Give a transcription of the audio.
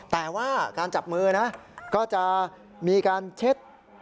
แต่ว่าการจับมือนะก็จะมีการเช็ด